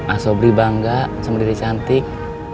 asobri bangga sama dede cantik